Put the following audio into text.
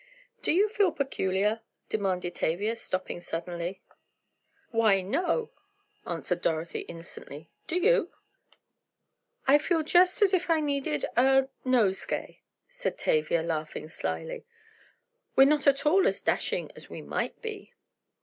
"Do you feel peculiar?" demanded Tavia, stopping suddenly. "Why, no," answered Dorothy innocently; "do you?" "I feel just as if I needed a—nosegay," said Tavia, laughing slily. "We're not at all as dashing as we might be!"